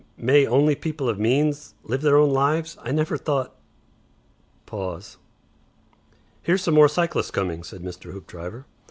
May only people of means Live their own Lives? I never thought ..." Pause. "Here's some more cyclists coming," said Mr. Hoopdriver.